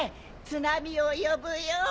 津波を呼ぶよ！